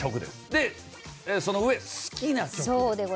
でその上好きな曲です。